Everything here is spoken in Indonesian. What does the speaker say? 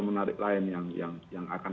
menarik lain yang akan